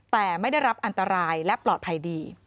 แต่ไม่ได้รับอันตรายและปลอดภัยดี